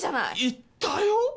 言ったよ？